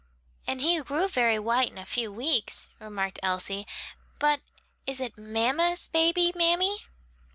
"And he grew very white in a few weeks," remarked Elsie. "But is it mamma's baby, mammy?"